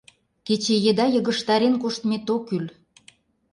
Кече еда йыгыжтарен коштмет ок кӱл.